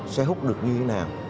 sẽ hút được như thế nào